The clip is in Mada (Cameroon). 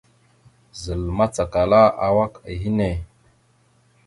Zal macala awak a henne.